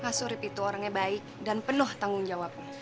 nah surip itu orangnya baik dan penuh tanggung jawab